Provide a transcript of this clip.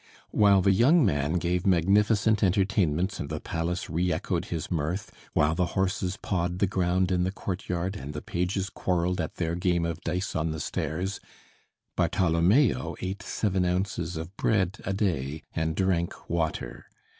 While the young man gave magnificent entertainments and the palace re echoed his mirth, while the horses pawed the ground in the courtyard and the pages quarreled at their game of dice on the stairs, Bartholomeo ate seven ounces of bread a day and drank water.